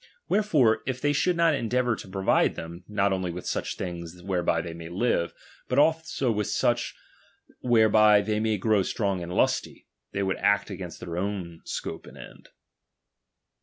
Wherefore if they should not endeavour to provide them, not only with such things whereby they may live, but also with such whereby they may grow strong and lusty, they would act against their own scope and end.